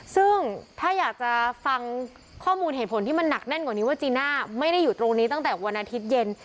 ซึ่งถ้าอยากจะฟังข้อมูลเหตุผลที่มันหนักแน่นกว่านี้ว่าจีน่าไม่ได้อยู่ตรงนี้ตั้งแต่วันอาทิตย์เย็น